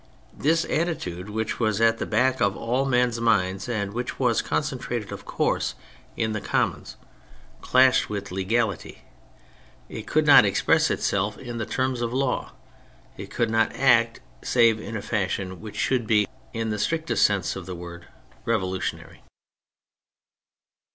This attitude, which was at the back of all men's minds, and which was concentrated, of course, in the 86 THE FRENCH REVOLUTION Commons, clashed with legality. It could not express itself in the terms of law, it could not act save in a fashion which should be, in the strictest sense of the word, revolutionary.